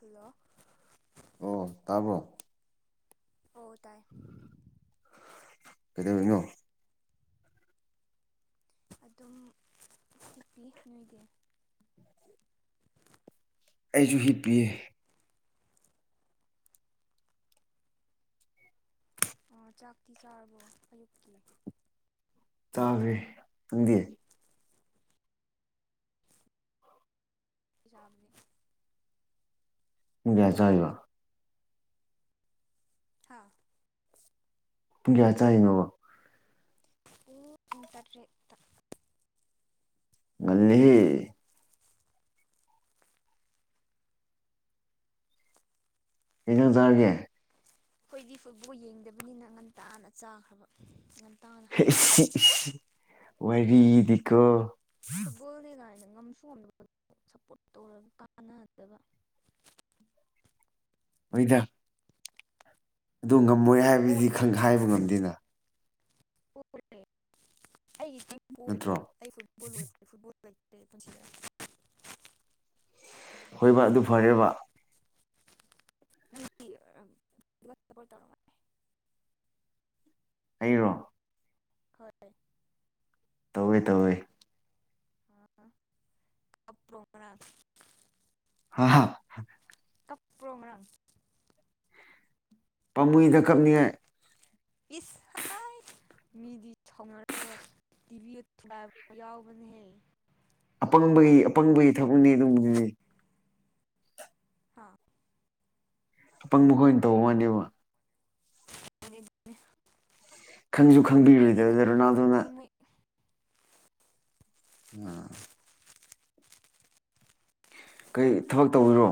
Hello ꯑꯣ ꯇꯥꯕꯣ [inaudible] [unintelligible] ꯑꯣ ꯇꯥꯏ ꯀꯩꯗꯧꯔꯤꯅꯣ ꯑꯗꯨꯝ ꯍꯤꯞꯄꯤ ꯅꯣꯏꯗꯤ ꯑꯩꯖꯨ ꯍꯤꯞꯄꯤ ꯆꯥꯛꯇꯤ ꯆꯥꯔꯕꯣ ꯑꯌꯨꯛꯀꯤ ꯆꯥꯒ꯭ꯔꯦ ꯅꯪꯗꯤ ꯏꯖꯥꯝꯅꯤ ꯄꯨꯡ ꯀꯌꯥ ꯔꯤꯕ ꯍꯥꯥ ꯄꯨꯡ ꯀꯌꯥ ꯆꯥꯏꯅꯣꯕ ꯎ ꯏꯟꯇꯔꯦꯠꯇ ꯉꯜꯂꯤꯍꯦ ꯀꯩ ꯏꯟꯖꯥꯡ ꯆꯥꯒꯦ ꯑꯩꯈꯣꯏꯗꯤ ꯐꯨꯠꯕꯣꯜ ꯌꯦꯡꯗꯕꯅꯤꯅ ꯉꯟꯇꯥꯅ ꯆꯥꯈ꯭ꯔꯕ ꯉꯟ ꯏꯁꯤ ꯏꯁ ꯋꯥꯔꯤꯗꯤꯀꯣ ꯐꯨꯠꯕꯣꯜꯅꯦ ꯀꯥꯏꯅ ꯉꯝꯁꯨ ꯉꯝꯗꯅꯕ ꯁꯞꯄꯣꯠ ꯇꯧꯔꯒ ꯀꯥꯟꯅꯗꯕ ꯑꯣꯏꯗ ꯑꯗꯨ ꯉꯝꯃꯣꯏ ꯍꯥꯏꯕꯗꯤ ꯈꯪ ꯄꯣꯔꯦꯗꯅ ꯍꯥꯏꯕ ꯉꯝꯗꯦꯅ [unintelligible] ꯑꯩ ꯐꯨꯠꯕꯣꯜ ꯅꯠꯇ꯭ꯔꯣ ꯑꯣꯏꯔꯦ ꯐꯨꯠꯕꯣꯜ [unintelligible] ꯍꯣꯏꯕ ꯑꯗꯨ ꯐꯔꯦꯕ [unintelligible] ꯑꯩꯔꯣ ꯍꯣꯏ ꯇꯧꯋꯦ ꯇꯧꯋꯦ [unintelligible] ꯉꯔꯥꯡ ꯍꯥ ꯍꯥ [unintelligible] ꯄꯥꯃꯨꯏꯗ ꯀꯞꯅꯤꯡꯉꯥꯢ ꯏꯁ ꯑꯥꯏ ꯁꯥꯎꯅꯅꯕ ꯇꯤꯚꯤ ꯊꯨ ꯒꯥꯢ ꯌꯥꯎꯕꯅꯦꯍꯦ ꯑꯄꯪꯕꯒꯤ ꯑꯄꯪꯕꯒꯤ ꯊꯕꯛꯅꯤ ꯑꯗꯨꯒꯨꯝꯕꯗꯨꯗꯤ ꯍꯥꯥ ꯑꯄꯪꯕ ꯈꯣꯏꯅ ꯇꯧ ꯋꯥꯅꯦꯕ [unintelligible] ꯈꯪꯁꯨ ꯀꯥꯏꯗꯦꯗ ꯈꯪꯕꯤꯔꯣꯏꯗꯕꯗ ꯔꯣꯅꯥꯜꯗꯣꯅ ꯀꯩꯅꯣ ꯃꯣꯏ ꯎꯝ ꯀꯩ ꯊꯕꯛ ꯇꯧꯔꯤꯔꯣ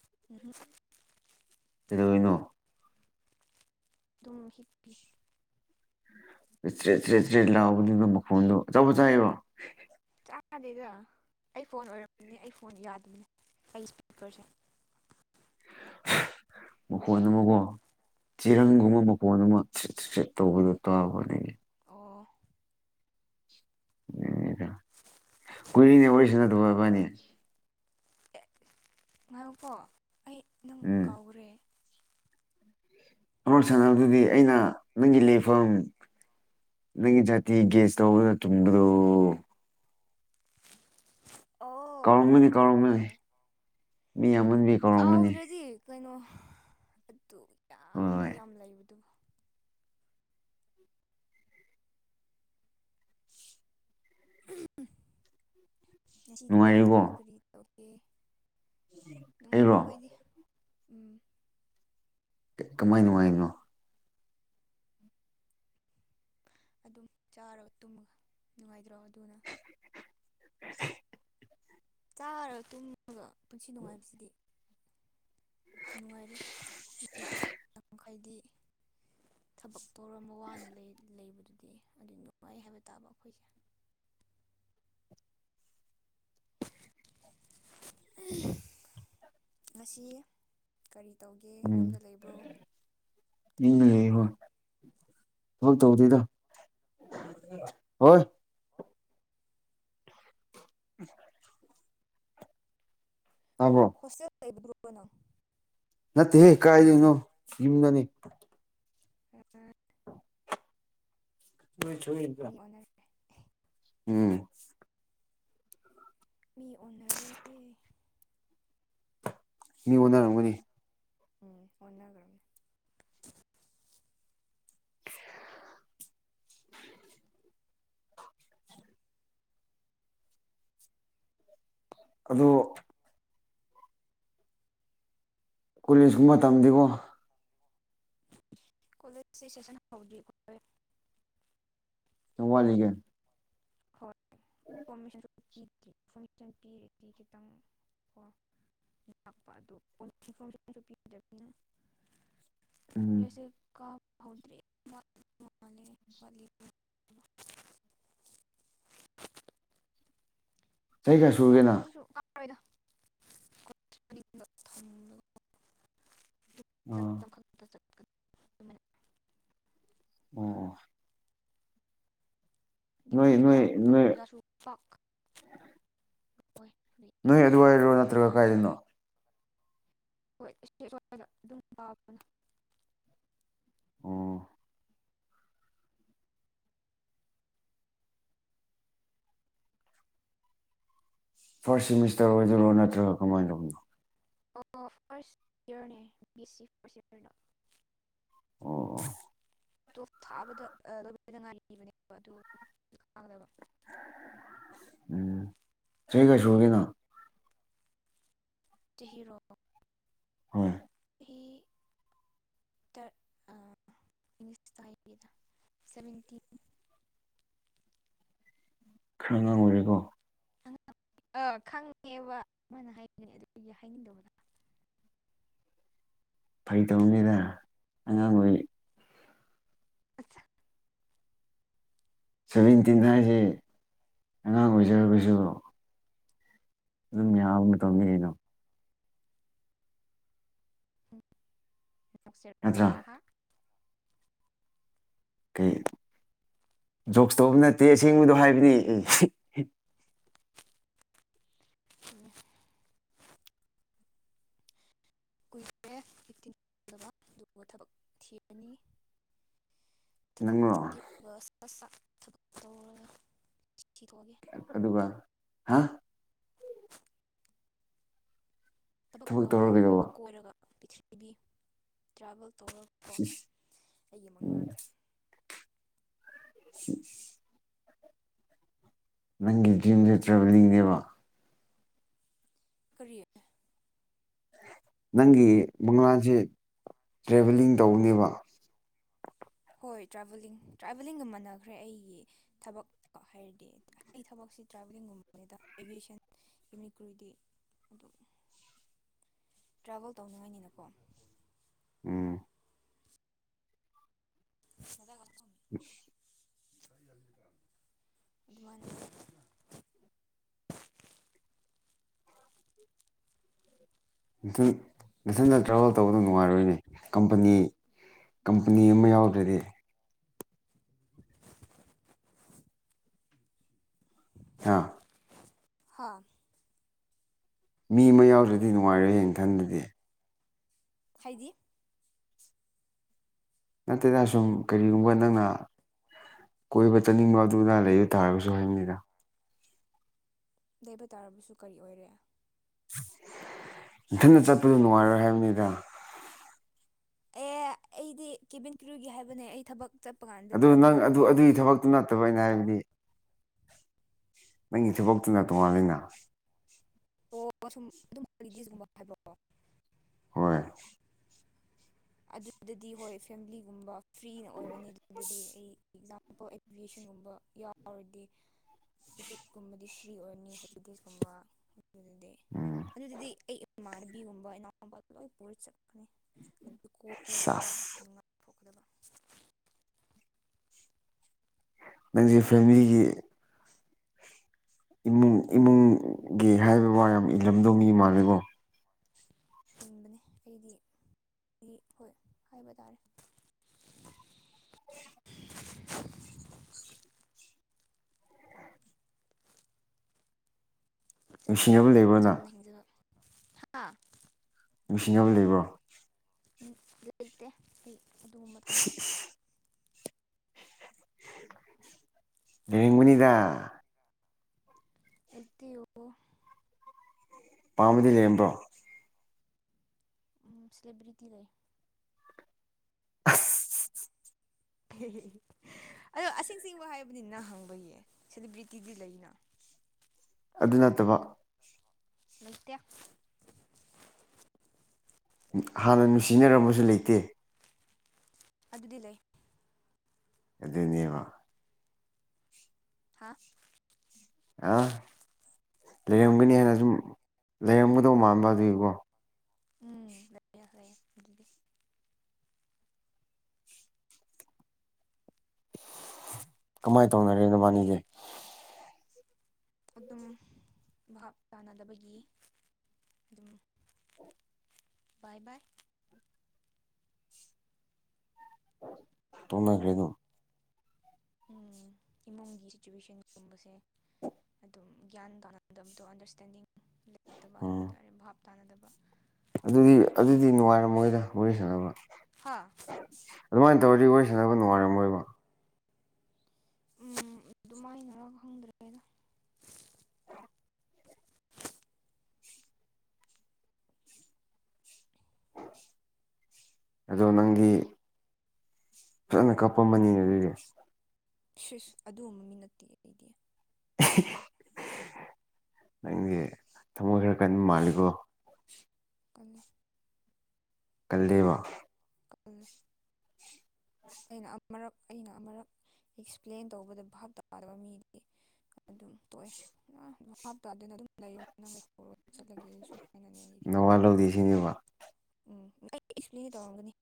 [unintelligible] ꯀꯩꯗꯧꯔꯤꯅꯣ ꯇꯨꯝ ꯍꯤꯞꯄꯤ ꯆꯔꯦꯠ ꯆꯔꯦꯠ ꯆꯔꯦꯠ ꯂꯥꯎꯕꯅꯤꯅ ꯃꯈꯣꯟꯗꯣ ꯑꯆꯥꯄꯣꯠ ꯆꯥꯏꯔꯣ ꯆꯥꯗꯦꯗ ꯑꯩ ꯐꯣꯟ ꯑꯣꯏꯔꯝꯒꯅꯤ ꯑꯩ ꯐꯣꯟ ꯌꯥꯗꯕꯅꯤ ꯑꯩ ꯏꯁꯄꯤꯀꯔꯁꯦ ꯃꯈꯣꯟ ꯑꯃꯥꯀꯣ ꯆꯤꯔꯪꯒꯨꯝꯕ ꯃꯈꯣꯟ ꯑꯃꯥ ꯆꯤꯆꯔꯦꯛ ꯇꯧꯕꯗꯣ ꯇꯥꯕꯋꯥꯅꯤ ꯑꯣ [unintelligible] ꯀꯨꯏꯔꯤꯅꯦ ꯋꯥꯔꯤ ꯁꯥꯅꯗꯕ ꯏꯕꯥꯅꯤ ꯑꯦ ꯉꯥꯏꯈꯣꯀꯣ ꯑꯩ ꯅꯪ ꯎꯝ ꯀꯥꯎꯔꯦ ꯑꯝꯔꯛ ꯁꯥꯟꯅꯕꯗꯨꯗꯤ ꯑꯩꯅ ꯅꯪꯒꯤ ꯂꯩꯐꯝ ꯅꯪꯒꯤ ꯖꯥꯇꯤ ꯒꯦꯁ ꯇꯧꯕꯗ ꯊꯨꯝꯕꯗꯣ ꯑꯣ ꯀꯥꯎꯔꯝꯃꯅꯤ ꯑꯗꯨ ꯀꯥꯎꯔꯝꯃꯅꯤ ꯑꯣꯏꯔꯦ ꯃꯤ ꯌꯥꯝꯃꯟꯕꯒꯤ ꯀꯥꯎꯔꯝꯃꯅꯤ ꯀꯥꯎꯗ꯭ꯔꯗꯤ ꯀꯩꯅꯣ ꯑꯗꯨ ꯌꯥꯝ ꯍꯣꯏ ꯃꯤ ꯍꯣꯏ ꯌꯥꯝ ꯂꯩꯕꯗꯨ ꯉꯁꯤꯗꯤ ꯅꯨꯡꯉꯥꯏꯔꯤꯕꯣ ꯀꯔꯤ ꯀꯔꯤ ꯇꯧꯒꯦ ꯅꯨꯡꯉꯥꯏꯔꯤ ꯑꯩꯔꯣ ꯈꯣꯏꯗꯤ ꯎꯝ ꯀꯃꯥꯏ ꯅꯨꯡꯉꯥꯏꯅꯣ ꯑꯗꯨꯝ ꯆꯥꯔꯒ ꯇꯨꯝꯃꯒ ꯅꯨꯡꯉꯥꯏꯇ꯭ꯔꯣ ꯑꯗꯨꯅ [unintelligible] ꯆꯥꯔꯒ ꯇꯨꯝꯃꯥꯒ ꯄꯨꯟꯁꯤ ꯅꯨꯡꯉꯥꯏꯕꯁꯤꯗꯤ ꯅꯨꯡꯉꯥꯏꯔꯤ [unintelligible] ꯊꯕꯛ ꯇꯧꯔꯝꯕ ꯋꯥꯅ ꯂꯩ ꯂꯩꯕꯗꯨꯗꯤ ꯑꯗꯨ ꯅꯨꯡꯉꯥꯏ ꯍꯥꯏꯕ ꯇꯥꯕ ꯑꯈꯣꯏꯁꯦ [inaudible] ꯉꯁꯤ ꯀꯔꯤ ꯇꯧꯒꯦ ꯎꯝ ꯌꯨꯝꯗ ꯂꯩꯕ꯭ꯔꯣ ꯊꯕꯛ ꯌꯨꯝꯗ ꯂꯩ ꯇꯧꯕ꯭ꯔꯣ ꯍꯣꯏ ꯊꯕꯛ ꯇꯧꯗꯦꯗꯥ [unintelligible] [unintelligible] ꯑꯣ ꯇꯥꯕꯔꯣ ꯍꯣꯁꯇꯦꯜ [unintelligible] ꯅꯪ ꯅꯠꯇꯦ ꯍꯦ ꯀꯥꯏꯗꯩꯅꯣ ꯌꯨꯝꯗꯅꯤ [unintelligible] ꯃꯤ [unintelligible] ꯑꯣꯟꯅꯔꯦ ꯎꯝ ꯃꯤ ꯑꯣꯟꯅꯔꯦ ꯑꯦ ꯃꯤ ꯑꯣꯅꯔꯝꯒꯅꯤ ꯎꯝ ꯑꯣꯟꯅꯒꯔꯝꯅꯦ ꯑꯗꯣ ꯀꯣꯂꯦꯖꯀꯨꯝꯕ ꯃꯇꯝꯗꯦꯀꯣ ꯀꯣꯂꯦꯖꯀꯤ ꯁꯦꯁꯟ ꯍꯧꯗ꯭ꯔꯤ [unintelligible] ꯌꯥꯝ ꯋꯥꯠꯂꯤꯒꯦ ꯄꯤ [unintelligible] ꯏꯟꯐꯣꯔꯃꯦꯁꯟ ꯄꯤꯔꯗꯤ ꯈꯤꯇꯪ ꯀꯣ ꯂꯥꯛꯄ ꯑꯗꯨ [unintelligible] ꯄꯤꯗꯅꯤꯅ [inaudible] ꯎꯝ ꯉꯁꯤ ꯀꯥꯕ ꯍꯧꯗꯔ꯭ꯤ [unintelligible] ꯆꯍꯤ ꯀꯌꯥ ꯁꯨꯔꯒꯦꯅ ꯀꯔꯤꯁꯨ ꯀꯥꯔꯣꯏꯗ ꯀꯣꯂꯦꯖ ꯃꯅꯤꯡꯗ ꯊꯝꯂꯒ ꯑꯦꯛꯖꯥꯝ ꯑ [unintelligible] ꯑꯗꯨꯃꯥꯏꯅ ꯑꯣ ꯅꯣꯏ ꯃꯤꯁꯨ ꯅꯣꯏ ꯂꯥꯛ ꯑꯣꯏꯕ ꯅꯣꯏ ꯑꯣꯖꯥꯁꯨ ꯄꯥꯛ ꯑꯣꯏ ꯅꯣꯏ ꯑꯗꯨꯋꯥꯏꯔꯣ ꯅꯇ꯭ꯔꯒ ꯀꯩꯅ‌ꯣ ꯍꯣꯏ [unintelligible] ꯑꯗꯨꯝ ꯄꯥꯕꯅ ꯑꯣ ꯐꯥꯔꯁ ꯁ‌ꯦꯃꯤꯁꯇꯔ ꯑꯣꯏꯗꯣꯏꯔꯣ ꯅꯠꯇ꯭ꯔꯒ ꯀꯃꯥꯏꯅ ꯇꯧꯕꯅꯣ ꯑꯣ ꯐꯥꯔꯁ ꯏꯌꯥꯔꯅꯦ ꯕꯤ ꯌꯦ ꯁꯤ ꯐꯥꯔꯁ ꯏꯌꯥꯔꯗ ꯑꯣ ꯇꯣꯞ ꯊꯥꯕꯗ ꯂ‌ꯣꯏꯗ ꯉꯥꯏꯔꯤꯕꯅ‌ꯦꯕ ꯑꯗꯨ ꯀꯥꯒꯗꯕ ꯎꯝ ꯆꯖꯤ ꯀꯌꯥꯁꯨꯔꯒ‌ꯦ ꯅꯪ ꯆꯍꯤꯔ‌ꯣ ꯎꯝ ꯍꯤ ꯇꯔ ꯑꯥ ꯏꯪꯂꯤꯁꯇ ꯍꯥꯏꯒꯦꯗ ꯁꯚꯦꯟꯇꯤꯟ ꯈꯔ ꯑꯉꯥꯡ ꯑ‌ꯣꯏꯔꯤꯀꯣ ꯑꯥ ꯈꯪꯉꯦꯕ ꯃꯥꯅ ꯍꯥꯏꯅꯤꯡꯅꯦ ꯑꯗꯨꯒꯤ ꯍꯥꯏꯅꯤꯡꯗꯧꯕ ꯐꯥꯒꯤ ꯇꯧꯅꯤꯗ ꯑꯉꯥꯡ ꯑꯣꯏꯔꯤ ꯁꯚꯦꯟꯇꯤꯟ ꯍꯥꯏꯁꯤ ꯑꯉꯥꯡ ꯑꯣꯏꯖꯔꯒꯁꯨ ꯑꯗꯨꯝ ꯌꯥꯕ ꯃꯇꯝꯅꯤ ꯀꯩꯅꯣ [unintelligible] ꯅ‌ꯣꯛꯁꯤꯔ ꯅꯠꯇ꯭ꯔꯥ ꯍꯥꯍꯥ ꯀꯩ ꯖꯣꯛꯁ ꯇꯧꯕ ꯅꯠꯇꯦ ꯑꯁꯦꯡꯕꯗꯣ ꯍꯥꯏꯕꯅꯤ ꯎꯝ ꯀꯨꯏꯔꯦ [unintelligible] ꯑꯗꯨꯒꯨꯝꯕ ꯊꯕꯛ ꯊꯤꯔꯅꯤ ꯊꯕꯛ ꯅꯪꯔꯣ ꯊꯤꯔꯒ ꯆ [unintelligible] ꯊꯕꯛ ꯇꯧꯔꯒ ꯊꯤꯗꯣꯛꯑꯒꯦ ꯑꯗꯨꯒ ꯍꯥ ꯊꯕꯛ ꯇꯧꯔ ꯇꯧꯔꯒ ꯀꯩꯗꯧꯕ ꯀꯣꯏꯔꯒ ꯄꯤꯊꯔꯤꯕꯤ ꯇ꯭ꯔꯥꯚꯦꯜ ꯇꯧꯔꯒꯀꯣ ꯑꯩꯒꯤ ꯎꯝ ꯃꯪꯂꯥꯟꯁꯦ [inaudible] ꯅꯪꯒꯤ ꯗꯔꯤꯝꯖ‌ꯦ ꯇ꯭ꯔꯥꯕꯦꯂꯤꯡꯅꯦꯕ ꯀꯔꯤ ꯅꯪꯒꯤ ꯃꯪꯂꯥꯟꯁꯦ ꯇ꯭ꯔꯦꯚꯦꯜꯂꯤꯡ ꯇꯧꯕꯅ‌ꯦꯕ ꯍꯣꯏ ꯇ꯭ꯔꯥꯕꯦꯂꯤꯡ ꯇ꯭ꯔꯥꯕꯦꯂꯤꯡꯒ ꯃꯥꯟꯅꯈ꯭ꯔꯦ ꯑꯩꯒꯤ ꯊꯕꯛꯀ ꯍꯥꯏꯔꯗꯤ ꯑꯩ ꯊꯕꯛꯁꯤ ꯇ꯭ꯔꯥꯕꯦꯂꯤꯡꯒꯨꯝꯕꯅꯤꯗ ꯑꯦꯚꯤꯌꯦꯁꯟ ꯌꯨꯅꯤꯀꯨꯔꯤꯗꯤ ꯑꯗꯨꯝ ꯇ꯭ꯔꯥꯚꯦꯜ ꯇꯧꯅꯤꯡꯉꯥꯏꯅꯤꯅꯀꯣ ꯎꯝ ꯀꯗꯥ ꯀꯊꯨꯝ [inaudible] ꯑꯗꯨꯃꯥꯏꯅ ꯅꯊꯟ ꯅꯊꯟꯗ ꯇ꯭ꯔꯥꯚꯦꯜ ꯇꯧꯕꯗꯨ ꯅꯨꯡꯉꯥꯏꯔꯣꯏꯅꯦ ꯀꯝꯄꯅꯤ ꯀꯝꯄꯅꯤ ꯑꯃ ꯌꯥꯎꯗ꯭ꯔꯗꯤ [inaudible] ꯍꯥ ꯍꯥ ꯃꯤ ꯑꯃ ꯌꯥꯎꯗ꯭ꯔꯗꯤ ꯅꯨꯡꯉꯥꯏꯔ‌ꯣꯏ ꯍꯌꯦꯡ ꯊꯟꯗꯗꯤ ꯍꯥꯏꯗꯤ ꯅꯠꯇꯦꯗ ꯁꯨꯝ ꯀꯔꯤꯒꯨꯝꯕ ꯅꯪꯅ ꯀꯣꯏꯕ ꯆꯠꯅꯤꯡꯕ ꯑꯗꯨ ꯑꯗꯥ ꯂꯩꯕ ꯇꯥꯔꯒꯁꯨ ꯍꯥꯏꯕꯅꯤꯗ ꯂꯩꯕ ꯇꯥꯔꯕꯁꯨ ꯀꯔꯤ ꯑꯣꯏꯔꯦ ꯏꯊꯅ ꯆꯠꯄꯗꯨ ꯅꯨꯡꯉꯥꯏꯔꯣꯏ ꯍꯥꯏꯕꯅꯤꯗ ꯑꯦ ꯑꯩꯗꯤ ꯀꯦꯕꯤꯟ ꯀ꯭ꯔꯨꯒꯤꯦ ꯍꯥꯏꯕꯅꯦ ꯑꯩ ꯊꯕꯛ ꯆꯠꯄ ꯀꯥꯟꯗ ꯑꯗꯨ ꯇ꯭ꯔꯥꯕꯦꯜ ꯅꯪ [unintelligible] ꯑꯗꯨ ꯑꯃꯅ ꯑꯗꯨꯒꯤ ꯊꯕꯛꯇꯨ ꯅꯠꯇꯕ ꯑꯩꯅ ꯅꯠꯇ꯭ꯔꯣ ꯍꯥꯏꯕꯗꯤ ꯅꯪꯒꯤ ꯊꯕꯛꯇꯨꯅ ꯇꯣꯉꯥꯟꯉꯅ ꯑꯣ ꯁꯨꯝ ꯑꯗꯨꯝ ꯍꯣꯂꯤꯗꯦꯁꯀꯨꯝꯕ ꯍꯥꯏꯕꯛꯑꯣ ꯍꯣꯏ ꯑꯗꯨꯗꯗꯤ ꯍꯣꯏ ꯐꯦꯃꯤꯂꯤꯒꯨꯝꯕ ꯐ꯭ꯔꯤꯅ ꯑꯣꯏꯔꯅꯤ ꯑꯗꯨꯗꯗꯤ ꯑꯩ ꯑꯦꯛꯖꯥꯝꯄꯜ꯫ ꯑꯦꯚꯤꯌꯦꯁꯟꯒꯨꯝꯕ ꯌꯥꯎꯔꯗꯤ ꯇꯤꯛꯀꯦꯠꯀꯨꯝꯕꯗꯤ ꯐ꯭ꯔꯤ ꯑꯣꯏꯔꯅꯤ ꯍꯣꯂꯤꯗꯦꯁꯀꯨꯝꯕ ꯑꯗꯨꯗꯤ ꯎꯝ ꯑꯗꯨ ꯑꯗꯨꯗꯤ ꯑꯩ ꯏꯃꯥꯔꯕꯤꯒꯨꯝꯕ ꯏꯅꯥꯎꯨꯝꯕ ꯂꯣꯏ ꯄꯨ ꯆꯠꯄ [inaudible] ꯑꯗꯨ ꯀꯣꯏ ꯁꯥꯁ ꯉꯥꯛꯊꯣꯛꯀꯗꯕ ꯅꯪꯁꯦ ꯐꯦꯃꯤꯂꯤꯒꯤ ꯏꯃꯨꯡ ꯏꯃꯨꯡꯒꯤ ꯍꯥꯏꯕ ꯋꯥ ꯌꯥꯝ ꯏꯜꯂꯝꯗꯧꯒꯤ ꯃꯥꯜꯂꯦꯀꯣ ꯍꯤꯡꯕꯅꯦ ꯑꯩꯗꯤ ꯍꯣꯏ ꯍꯥꯏꯕ ꯇꯥꯔꯦ [inaudible] ꯅꯨꯡꯁꯤꯅꯕ ꯂꯩꯕ꯭ꯔꯣ ꯅꯪ ꯆꯝꯅ ꯍꯤꯡꯖꯕ ꯍꯥ ꯅꯨꯡꯁꯤꯅꯕ ꯂꯩꯕ꯭ꯔꯣ ꯂꯩꯇꯦ ꯑꯩ ꯑꯗꯨꯒꯨꯝꯕ ꯊꯝ [unintelligible] ꯂꯩꯔꯝꯒꯅꯤꯗ ꯂꯩꯇꯦ ꯄꯥꯝꯕꯗꯤ ꯂꯩꯔꯝꯕ꯭ꯔꯣ꯫ ꯎꯝ ꯁꯦꯂꯦꯕ꯭ꯔꯤꯇꯤ ꯂꯩ [unintelligible] ꯑꯗꯣ ꯑꯁꯦꯡ ꯑꯁꯦꯡꯕ ꯍꯥꯏꯕꯅꯤ ꯅꯪ ꯍꯪꯕꯒꯤ ꯁꯦꯂꯦꯕ꯭ꯔꯤꯇꯤꯗꯤ ꯂꯩꯅ꯫ ꯑꯗꯨ ꯅꯠꯇꯕ ꯂꯩꯇꯦ ꯍꯥꯟꯅ ꯅꯨꯡꯁꯤꯅꯔꯃꯁꯨ ꯂꯩꯇꯦ꯫ ꯑꯗꯨꯗꯤ ꯂꯩ꯫ ꯑꯗꯨꯅꯤꯕ ꯍꯥ ꯑ ꯍꯥ ꯂꯩꯔꯝꯒꯅꯤ ꯍꯥꯏꯅ ꯁꯨꯝ ꯂꯩꯔꯝꯒꯗꯧꯕ ꯃꯥꯟꯕ ꯑꯗꯨꯒꯤꯀꯣ [unintelligible] ꯑꯗꯨꯗꯤ ꯀꯃꯥꯏꯅ ꯇꯧꯅꯔꯦ ꯅꯣꯕꯥꯅꯤꯗꯤ ꯑꯗꯨꯨꯝ ꯚꯥꯞ ꯇꯥꯟꯅꯗꯕꯒꯤ ꯑꯗꯨꯝ- ꯕꯥꯏ ꯕꯥꯏ ꯇꯣꯛꯅꯈ꯭ꯔꯦꯗꯨꯝ꯫ ꯎꯝ ꯏꯃꯨꯡꯒꯤ ꯁꯤꯆꯨꯋꯦꯁꯟꯒꯨꯝꯕꯁꯦ ꯑꯗꯨꯝ ꯒ꯭ꯌꯥꯟ ꯇꯥꯅꯗꯕꯗꯣ ꯑꯟꯗꯔꯁ꯭ꯇꯦꯟꯗꯤꯡ꯫ ꯂꯩꯇꯕ ꯍꯥꯏꯕ ꯎꯝ ꯇꯥꯔꯦ ꯚꯥꯞ ꯇꯥꯅꯗꯕ꯫ ꯑꯗꯨꯗꯤ ꯑꯗꯨꯒꯤ ꯑꯗꯨꯗꯤ ꯅꯨꯡꯉꯥꯏꯔꯝꯃꯣꯏꯗ ꯋꯥꯔꯤ ꯁꯥꯟꯅꯕ꯫ ꯍꯥ ꯑꯗꯨꯃꯥꯏꯟ ꯇꯧꯔꯗꯤ ꯋꯥꯔꯤ ꯁꯥꯟꯅꯕ ꯅꯨꯡꯉꯥꯏꯔꯝꯃꯣꯏꯕ ꯎꯝ ꯑꯗꯨꯃꯥꯏꯅꯔ ꯈꯪꯗ꯭ꯔꯦꯗ꯫ [unintelligible] ꯑꯗꯣ ꯅꯪꯒꯤ ꯐꯖꯅ ꯀꯥꯞꯄꯝꯃꯅꯤꯅꯦ ꯑꯗꯨꯗꯤ꯫ ꯁꯤꯁ ꯑꯗꯨꯒꯨꯝꯕ ꯃꯤ ꯅꯠꯇꯦ ꯑꯩꯗꯤ꯫ ꯅꯪꯁꯦ ꯊꯃꯣꯏ ꯈꯔ ꯀꯟꯕ ꯃꯥꯜꯂꯤꯀꯣ꯫ ꯀ [unintelligible] ꯀꯜꯂꯦꯕ ꯈꯜ [unintelligible] ꯑꯩꯅ ꯑꯃꯨꯔꯛ ꯑꯩꯅ ꯑꯃꯨꯔꯛ ꯑꯦꯛꯁꯄ꯭ꯂꯦꯟ ꯇꯧꯕꯗ ꯚꯥꯞ ꯇꯥꯗꯕ ꯃꯤꯗꯤ ꯑꯗꯨꯝ ꯇꯣꯛꯑꯦ ꯑ ꯑꯗꯨꯝ ꯍꯥꯞꯇꯥꯗꯅ ꯑꯗꯨꯝ ꯂꯩꯔꫭ ꯅꯪꯔꯩꯍꯧ ꯆꯠꯂꯒꯦ ꯑꯩꯁꯨ ꯁꯨꯃꯥꯏꯅꯅꯤ ꯑꯩꯗꯤ ꯅꯋꯥ ꯂꯧꯗꯦ ꯁꯤꯅꯦꯕ ꯎꯝ ꯑꯩ ꯑꯦꯛꯁꯄ꯭ꯂꯦꯟꯗꯤ ꯇꯧꯔꯝꯒꯅꯤ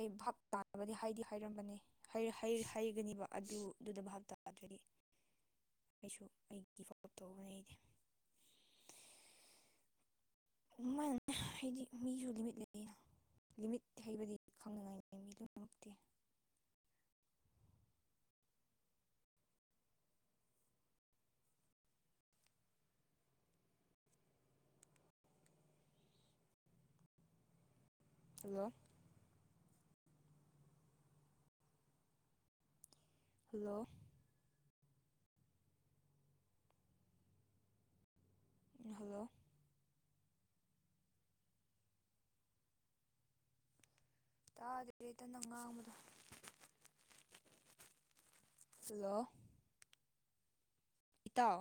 ꯑꯩ ꯚꯥꯞ ꯇꯥꯟꯅꯕꯗꯤ ꯍꯥꯏꯗꯤ ꯍꯥꯏꯔꯝꯕꯅꯦ ꯍꯩ ꯍꯩ ꯍꯩꯒꯅꯤꯕ ꯑꯗꯨꯗꯨꯗ ꯚꯥꯞ ꯇꯥꯗꯔꯗꯤ ꯑꯩꯁꯨ ꯑꯩꯒꯤ ꯐꯣ [unintelligible] ꯇꯧꯒꯅꯤ ꯑꯩꯗꯤ ꯃꯥꯅꯅꯦ ꯍꯥꯏꯗꯤ ꯃꯤꯁꯨ ꯂꯤꯃꯤꯠ ꯂꯩꯅ ꯂꯤꯃꯤꯠ ꯍꯩꯕꯗꯤ ꯈꯪꯅꯉꯥꯏꯅꯤ ꯃꯤ ꯂꯣꯏꯅꯃꯛꯇꯤ ꯍꯜꯂꯣ ꯍꯜꯂꯣ ꯍꯜꯂꯣ ꯇꯥꯗꯦꯔꯦꯇꯅꯪ ꯉꯥꯡꯕꯗꯣ ꯍꯜꯂꯣ ꯏꯇꯥꯎ